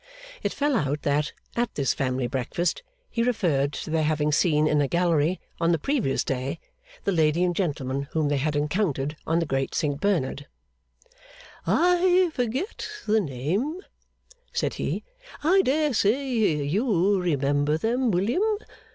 It fell out that, at this family breakfast, he referred to their having seen in a gallery, on the previous day, the lady and gentleman whom they had encountered on the Great Saint Bernard, 'I forget the name,' said he. 'I dare say you remember them, William?